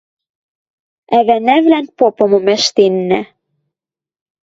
Ӓвӓнӓвлӓн попымым ӓштеннӓ: